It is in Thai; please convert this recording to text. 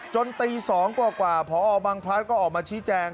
ตี๒กว่าพอบางพลัดก็ออกมาชี้แจง